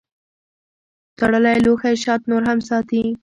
تړلی لوښی شات نور هم ساتي.